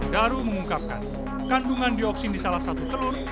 daru mengungkapkan kandungan dioksin di salah satu telur